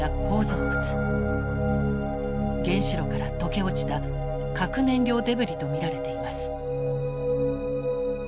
原子炉から溶け落ちた核燃料デブリと見られています。